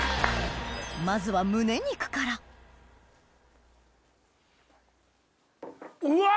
まずは胸肉からうわ！